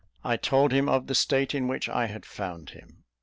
I told him of the state in which I had found him.